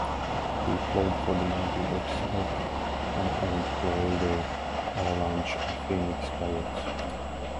He played for the Mighty Ducks of Anaheim, Colorado Avalanche, and Phoenix Coyotes.